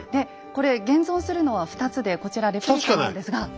これ現存するのは２つでこちらレプリカなんですが。